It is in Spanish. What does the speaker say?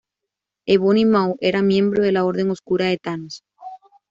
Ebony Maw era miembro de la Orden Oscura de Thanos.